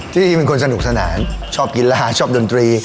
จริงเป็นคนสนุกสนานชอบกินรหัสชอบดนตรี